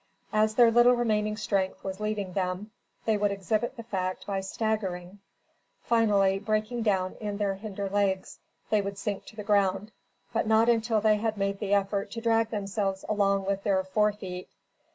As their little remaining strength was leaving them, they would exhibit the fact by staggering. Finally, breaking down in their hinder legs, they would sink to the ground, but not until they had made the effort to drag themselves along with their fore feet.